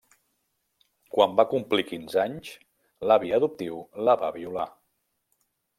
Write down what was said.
Quan va complir quinze anys, l'avi adoptiu la va violar.